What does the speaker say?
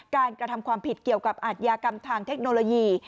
กระทำความผิดเกี่ยวกับอาทยากรรมทางเทคโนโลยี